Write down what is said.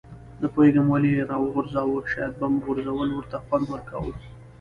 نه پوهېږم ولې یې راوغورځاوه، شاید بم غورځول ورته خوند ورکاوه.